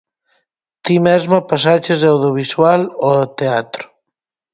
Ti mesma pasaches do audiovisual ao teatro.